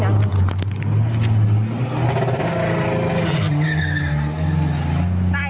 มันเป็นสีเหลืองเนี่ย